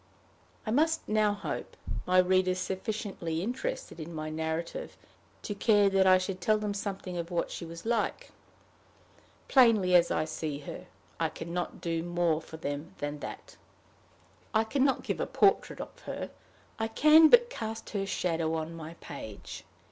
I must now hope my readers sufficiently interested in my narrative to care that I should tell them something of what she was like. Plainly as I see her, I can not do more for them than that. I can not give a portrait of her; I can but cast her shadow on my page.